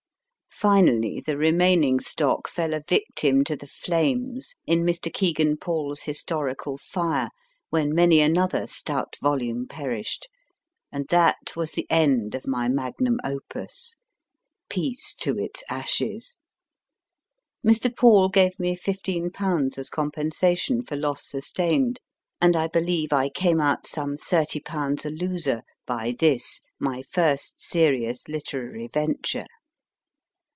Finally, the remaining stock fell a victim to the flames in Mr. Kegan Paul s historical fire, when many another stout volume perished : and that was the end of my magnum opus. Peace to its ashes! Mr. Paul gave me i5/. as compensation for loss sustained, and I believe I came out some 3O/. a loser by this, my first serious literary venture.